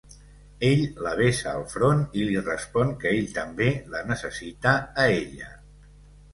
Ell la besa al front i li respon que ell també la necessita a ella.